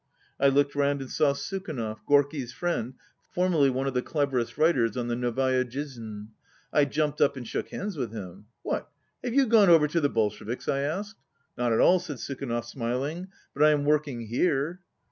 I looked round and saw 102 Sukhanov, Gorky's friend, formerly one of the cleverest writers on the Novaya Jizn. I jumped up and shook hands with him. "What, have you gone over to the Bolsheviks?" I asked. "Not at all," said Sukhanov, smiling, "but I am working here."